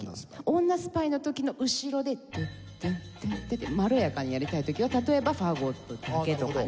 女スパイの時の後ろで「テンテンテンテン」ってまろやかにやりたい時は例えばファゴットだけとかね。